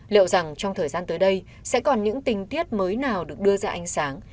liệu rằng trong thời gian tới đây sẽ còn những tình tiết mới nào được đưa ra ánh sáng